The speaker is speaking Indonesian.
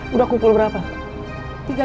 udah kumpul berapa